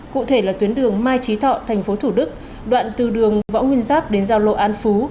cụ thể là tuyến đường mai trí thọ tp thủ đức đoạn từ đường võ nguyên giáp đến giao lộ an phú